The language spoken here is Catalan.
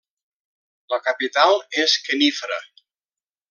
La capital és Khenifra.